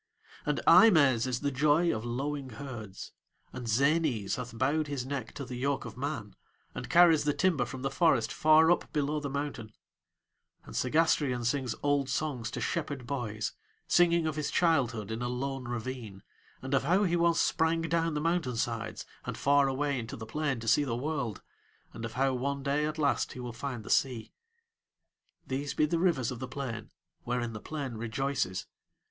And Eimës is the joy of lowing herds; and Zänës hath bowed his neck to the yoke of man, and carries the timber from the forest far up below the mountain; and Segástrion sings old songs to shepherd boys, singing of his childhood in a lone ravine and of how he once sprang down the mountain sides and far away into the plain to see the world, and of how one day at last he will find the sea. These be the rivers of the plain, wherein the plain rejoices.